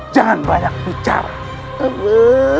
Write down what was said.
jangan banyak bicara